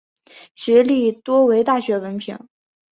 学历多为大学文凭。